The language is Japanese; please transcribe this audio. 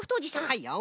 はいよ。